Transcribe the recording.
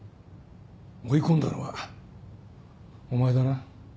追い込んだのはお前だな